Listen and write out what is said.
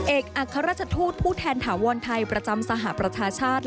เอกอัครราชทูตผู้แทนถาวรไทยประจำสหประชาชาติ